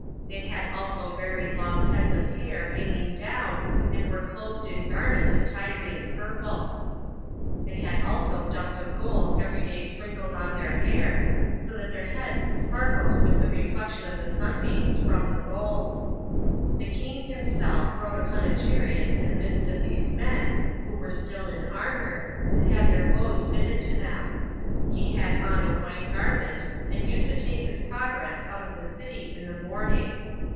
They had also very long heads of hair hanging down, and were clothed in garments of Tyrian purple. They had also dust of gold every day sprinkled on their hair, so that their heads sparkled with the reflection of the sun beams from the gold. The king himself rode upon a chariot in the midst of these men, who were still in armor, and had their bows fitted to them. He had on a white garment, and used to take his progress out of the city in the morning.